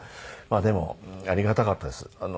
まあでもありがたかったです。